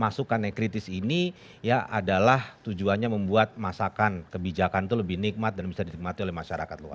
masukan yang kritis ini ya adalah tujuannya membuat masakan kebijakan itu lebih nikmat dan bisa dinikmati oleh masyarakat luar